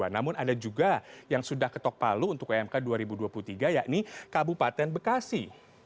namun ada juga yang sudah ketok palu untuk umk dua ribu dua puluh tiga yakni kabupaten bekasi